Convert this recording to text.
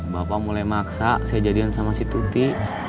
bapak mulai maksa saya jadian sama si tuti